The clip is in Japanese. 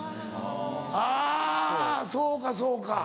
あぁそうかそうか。